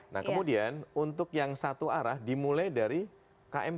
nah kemudian untuk yang satu arah dimulai dari km tujuh puluh